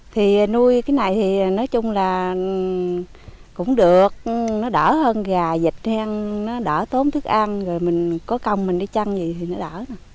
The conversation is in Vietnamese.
thì nuôi cái này thì nói chung là cũng được nó đỡ hơn gà dịch nó đỡ tốn thức ăn rồi mình có công mình đi chăn gì thì nó đỡ